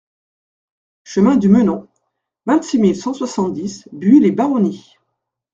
Chemin du Menon, vingt-six mille cent soixante-dix Buis-les-Baronnies